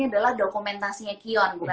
adalah dokumentasinya kion